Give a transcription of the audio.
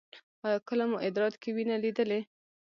ایا کله مو ادرار کې وینه لیدلې؟